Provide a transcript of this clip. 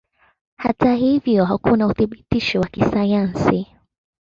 Hata hivyo hakuna uthibitisho wa kisayansi.